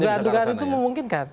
dugaan dugaan itu memungkinkan